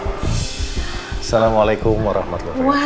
assalamualaikum warahmatullahi wabarakatuh